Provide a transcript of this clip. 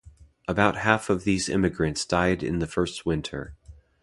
About half of these emigrants died in the first winter.